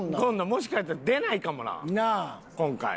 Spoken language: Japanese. もしかしたら出ないかもな今回。